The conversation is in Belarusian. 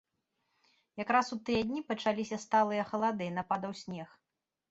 Якраз у тыя дні пачаліся сталыя халады і нападаў снег.